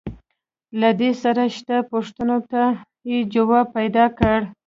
له ده سره شته پوښتنو ته يې ځواب پيدا کړ.